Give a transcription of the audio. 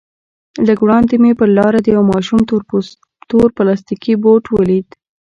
لږ وړاندې مې پر لاره د يوه ماشوم تور پلاستيكي بوټ وليد.